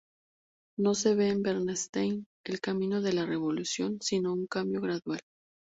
No se ve en Bernstein el camino de la revolución sino un cambio gradual.